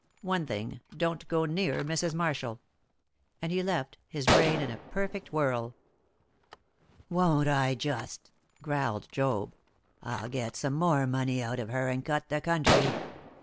One thing, don't go near Mrs. Marshall." And he left, his brain in a perfect whirl. "Won't I just!" growled Job. "I'll get some more money out of her and cut the country.